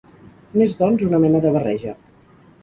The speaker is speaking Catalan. N'és doncs una mena de barreja.